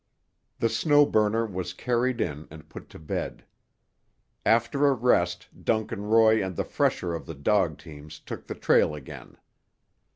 The Snow Burner was carried in and put to bed. After a rest Duncan Roy and the fresher of the dogteams took the trail again.